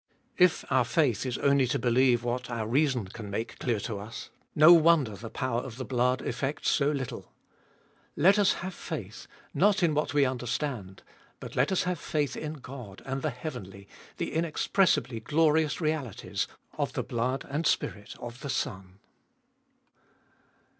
2. If our faith Is only to belieue what our reason can make clear to us— no wonder the power of the blood effects so little. Let us have faith, not In what we understand, but let us haue faith In God, and the heavenly, the Inexpressibly glorious realities, of the blood and Spirit of the Son.